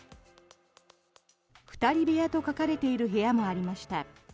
２人部屋と書かれている部屋もありました。